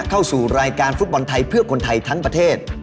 เข้าสู่รายการฟุตบอลไทยเพื่อคนไทยทั้งประเทศ